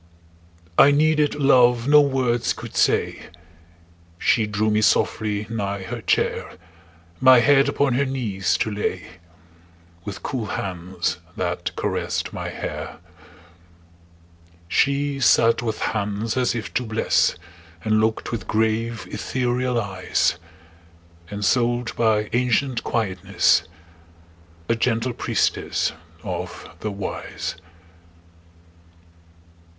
I needed love no words could say; She drew me softly nigh her chair, My head upon her knees to lay, With cool hands that caressed my hair. She sat with hands as if to bless, And looked with grave, ethereal eyes; Ensouled by ancient quietness, A gentle priestess of the Wise.